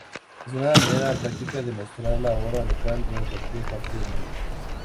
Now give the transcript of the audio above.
Era una manera practica de mostrar la hora local en cualquier parte del mundo.